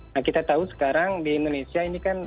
nah kita tahu sekarang di indonesia ini kan